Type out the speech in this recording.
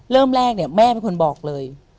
เริ่มแรกเนี่ยแม่เป็นคนบอกเลย